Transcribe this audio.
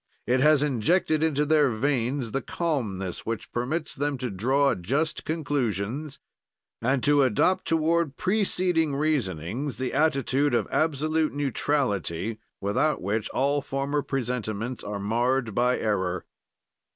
It has injected into their veins the calmness which permits them to draw just conclusions and to adopt toward preceding reasonings the attitude of absolute neutrality, without which all former presentiments are marred by error.